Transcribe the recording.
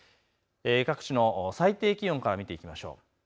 各地の最低気温から見ていきましょう。